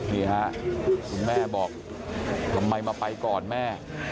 นี่ฮะคุณแม่บอกทำไมมาไปก่อนแม่